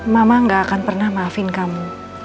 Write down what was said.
mama gak akan pernah maafin kamu